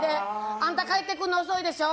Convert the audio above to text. あんた帰ってくるの遅いでしょ。